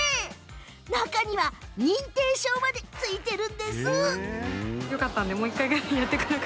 中には認定証までついているんです。